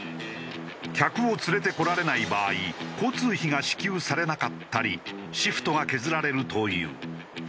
客を連れてこられない場合交通費が支給されなかったりシフトが削られるという。